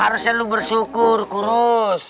harusnya lu bersyukur kurus